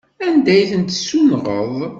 Anda ay ten-tessunɣeḍ?